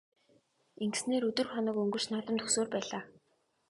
Ингэсээр өдөр хоног өнгөрч наадам дөхсөөр байлаа.